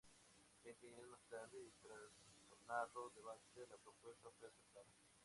Veinte años más tarde, y tras sonado debate, la propuesta fue aceptada.